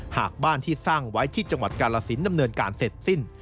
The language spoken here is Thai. หากบ้านที่สร้างไว้ที่จังหวัดกาลสินดำเนินการเสร็จสิ้น